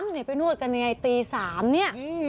นี่ไปนวดกันยังไงตี๓เนี่ย